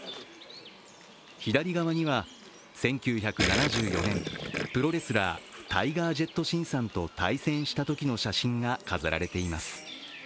左側には、１９７４年、プロレスラー、タイガー・ジェット・シンさんと対戦したときの写真が飾られています。